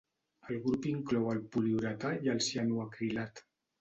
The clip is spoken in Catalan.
El grup inclou el poliuretà i el cianoacrilat.